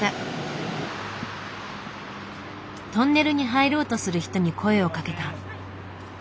トンネルに入ろうとする人に声をかけた。